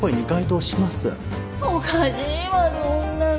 おかしいわそんなの！